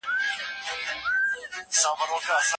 که چیرې پرمختیا دوامداره وي نو ټول خلګ به هوسا سي.